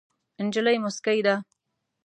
نجلۍ موسکۍ ده.